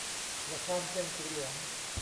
อย่าข้ามเส้นสีเหลือง